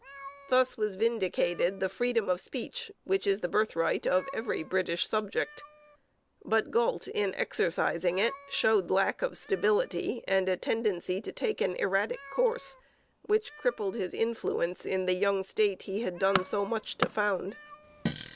Thus was vindicated the freedom of speech which is the birthright of every British subject. But Galt, in exercising it, showed lack of stability and a tendency to take an erratic course, which crippled his influence in the young state he had done so much to found.